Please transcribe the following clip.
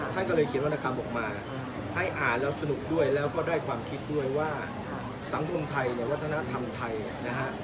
ท่านก็เลยเขียนวรรณกรรมออกมาให้อ่านแล้วสนุกด้วยแล้วก็ได้ความคิดด้วยว่าสังคมไทยเนี่ยวัฒนธรรมไทยนะฮะ